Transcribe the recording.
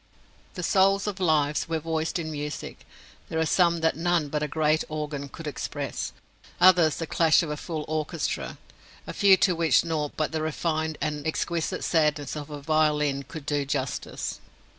If the souls of lives were voiced in music, there are some that none but a great organ could express, others the clash of a full orchestra, a few to which nought but the refined and exquisite sadness of a violin could do justice.